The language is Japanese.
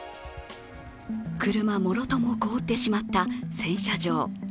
車もろとも凍ってしまった洗車場。